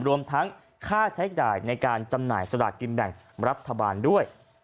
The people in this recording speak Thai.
รวมทั้งค่าใช้จ่ายในการจำหน่ายสลากกินแบ่งรัฐบาลด้วย